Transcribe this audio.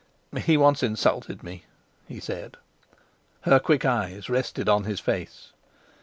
"He once insulted me," he said. Her quick eyes rested on his face.